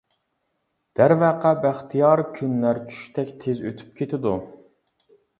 دەرۋەقە بەختىيار كۈنلەر چۈشتەك تېز ئۆتۈپ كېتىدۇ.